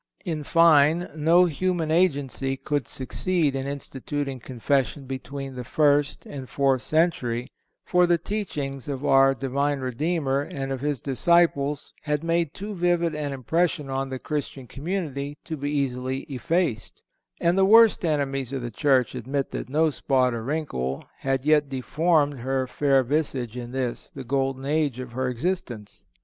In fine, no human agency could succeed in instituting Confession between the first and fourth century, for the teachings of our Divine Redeemer and of His disciples had made too vivid an impression on the Christian community to be easily effaced; and the worst enemies of the Church admit that no spot or wrinkle had yet deformed her fair visage in this, the golden age of her existence.